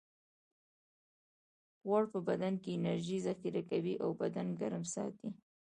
غوړ په بدن کې انرژي ذخیره کوي او بدن ګرم ساتي